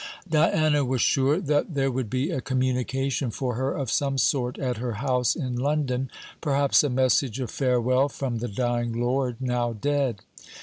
Diana was sure that there would be a communication for her of some sort at her house in London; perhaps a message of farewell from the dying lord, now dead.